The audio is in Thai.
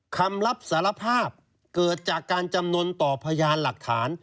คำรับสารภาพเกิดจากการจำนวนต่อพยานหลักฐาน